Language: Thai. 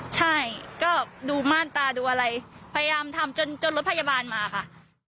ใช่ก็ดูม่านตาดูอะไรพยายามทำจนจนรถพยาบาลมาค่ะ